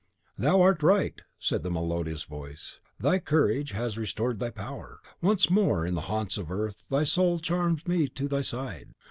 "Thou art right," said the melodious Voice. "Thy courage has restored thy power. Once more, in the haunts of earth, thy soul charms me to thy side.